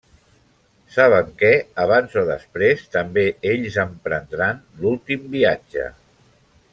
Saben que, abans o després, també ells emprendran l'últim viatge.